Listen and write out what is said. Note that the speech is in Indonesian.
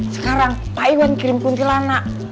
sekarang pak iwan kirim kuntilanak